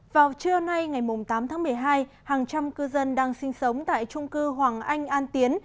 vào trưa nay ngày tám tháng một mươi hai hàng trăm cư dân đang sinh sống tại trung cư hoàng anh an tiến